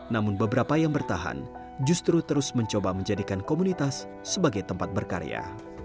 namun beberapa yang bertahan justru terus mencoba menjadikan komunitas sebagai tempat berkarya